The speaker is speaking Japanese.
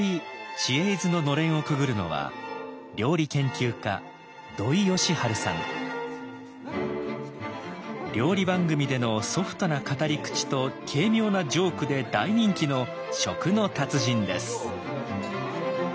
「知恵泉」ののれんをくぐるのは料理番組でのソフトな語り口と軽妙なジョークで大人気の食の達人です。